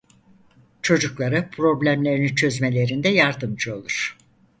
Çocuklara problemlerini çözmelerinde yardımcı olur.